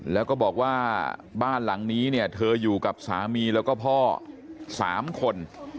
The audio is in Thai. แล้วก็บอกว่าบ้านหลังนี้เนี่ยเธออยู่กับสามีแล้วก็พ่อ๓คน